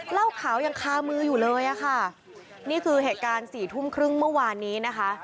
เหล้าขาวยังคามืออยู่เลยอะค่ะนี่คือเหตุการณ์สี่ทุ่มครึ่งเมื่อวานนี้นะคะ